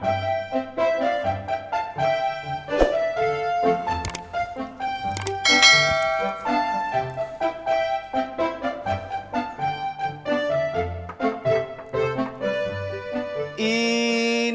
mak pun mau ngapain